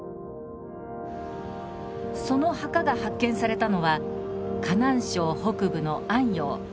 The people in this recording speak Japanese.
その墓が発見されたのは河南省北部の安陽。